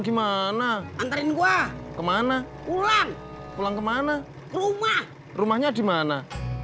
gimana antarin gue kemana pulang pulang kemana rumah rumahnya di mana